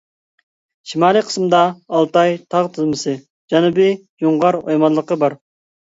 شىمالىي قىسمىدا ئالتاي تاغ تىزمىسى، جەنۇبىي جۇڭغار ئويمانلىقى بار.